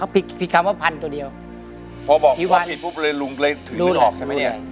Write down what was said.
พี่คำว่าพันตัวเดียวพอบอกว่าผิดปุ๊บเลยลุงก็เลยถึงออกใช่ไหมเนี้ย